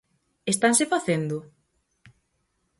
¿Estanse facendo?